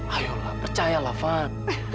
ayolah percayalah van